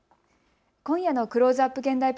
今夜のクローズアップ